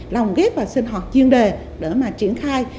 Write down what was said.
lồng ghép vào sinh hoạt chuyên đề để mà triển khai